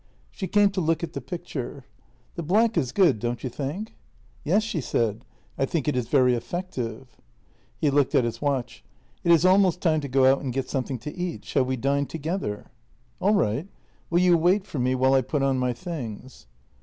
She came to look at the picture. " The black is good, don't you think ?"" Yes," she said. " I think it is very effective." He looked at his watch: " It is almost time to go out and get something to eat — shall we dine together? "" All right. Will you wait for me while I put on my things?